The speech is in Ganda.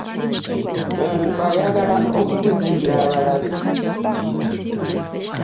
Omuntu ayagala okukuzigira abalabe .